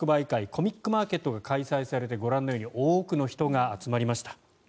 コミックマーケットが開催されてご覧のように多くの人が集まりました。